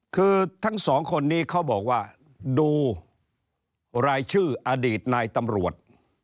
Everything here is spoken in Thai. คือทั้งสองคนนี้เขาบอกว่าดูรายชื่ออดีตนายตำรวจ